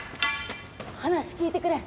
話聞いてくれ。